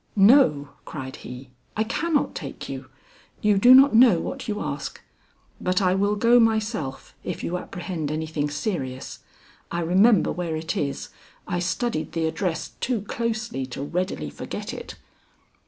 "No," cried he, "I cannot take you; you do not know what you ask; but I will go myself if you apprehend anything serious. I remember where it is. I studied the address too closely, to readily forget it."